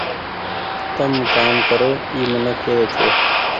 تم ڪآم ڪرو اي منڪ ڪيوي ڇي۔